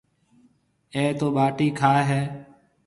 اَي تو ٻاٽِي کائي هيَ۔